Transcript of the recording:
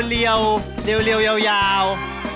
เรวยาว